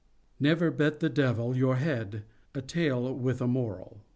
NEVER BET THE DEVIL YOUR HEAD A Tale With a Moral.